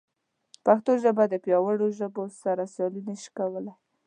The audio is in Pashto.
پښتو ژبه د پیاوړو ژبو سره سیالي نه شي کولی.